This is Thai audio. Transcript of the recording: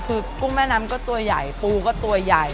คือกุ้งแม่น้ำก็ตัวใหญ่ปูก็ตัวใหญ่